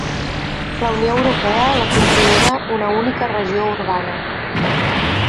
La Unió Europea la considera una única regió urbana.